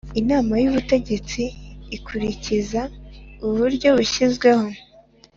Inama y’ ubutegetsi ikurikiza uburyo bushyizweho